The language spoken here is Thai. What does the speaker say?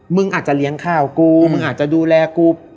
มึงอาจจะเลี้ยงข้าวกูมึงอาจจะดูแลกู